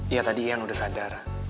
ya tadi ian udah sadar